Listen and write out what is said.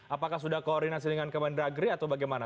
apakah sudah koordinasi dengan kementerian agri atau bagaimana